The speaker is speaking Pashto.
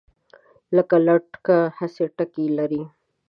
لکه لټکه هسې ټګي لري